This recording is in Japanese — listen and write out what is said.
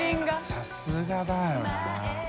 さすがだよな。